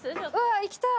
行きたい！